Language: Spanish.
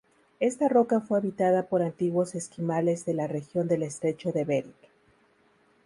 Esta roca fue habitada por antiguos esquimales de la región del estrecho de Bering.